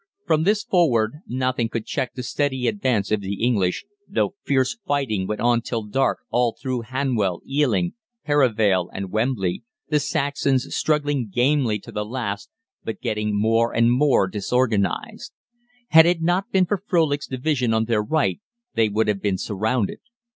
From this forward nothing could check the steady advance of the English, though fierce fighting went on till dark all through Hanwell, Ealing, Perivale, and Wembley, the Saxons struggling gamely to the last, but getting more and more disorganised. Had it not been for Frölich's division on their right they would have been surrounded.